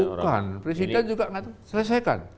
bukan presiden juga selesaikan